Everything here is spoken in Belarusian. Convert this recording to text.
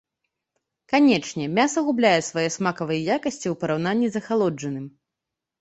Канечне, мяса губляе свае смакавыя якасці у параўнанні з ахалоджаным.